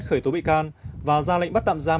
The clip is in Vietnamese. khởi tố bị can và ra lệnh bắt tạm giam